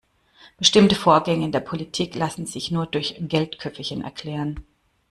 Bestimmte Vorgänge in der Politik lassen sich nur durch Geldköfferchen erklären.